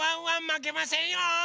まけませんよ！